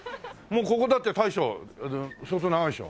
ここだって大将相当長いでしょ？